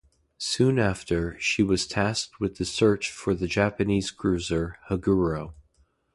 Soon after, she was tasked with the search for the Japanese cruiser "Haguro".